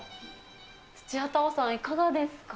土屋太鳳さん、いかがですか？